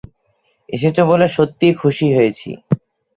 এসেছ বলে সত্যিই খুশি হয়েছি।